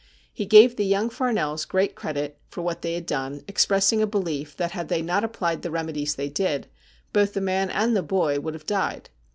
He gave the young Farnells great credit for what they had done, expressing a belief that, had they not applied the remedies they did, both the man and the boy would have died.